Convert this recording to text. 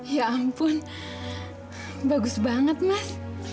ya ampun bagus banget mas